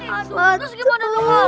aduh terus gimana dong